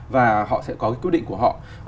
và họ sẽ có quyết định của họ